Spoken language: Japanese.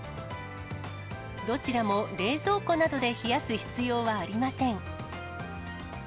どちらも冷蔵庫などで冷やす必要はありません。